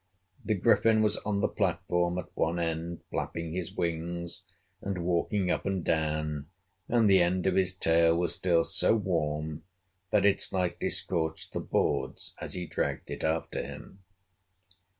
The Griffin was on the platform at one end, flapping his wings and walking up and down, and the end of his tail was still so warm that it slightly scorched the boards as he dragged it after him.